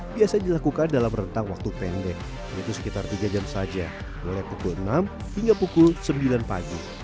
biasa dilakukan dalam rentang waktu pendek yaitu sekitar tiga jam saja mulai pukul enam hingga pukul sembilan pagi